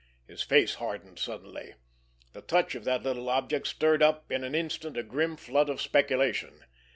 His face hardened suddenly. The touch of that little object stirred up in an instant a grim flood of speculation.